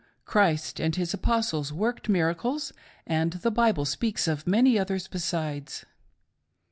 Christ and His Apostles worked miracles, and the Bible speaks of many others besides.